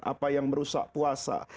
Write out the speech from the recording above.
apa yang merusak puasa